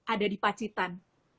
ada di pacitan